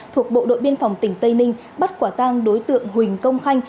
thuộc bộ đội biên phòng tỉnh tây ninh bắt quả tang đối tượng huỳnh công khanh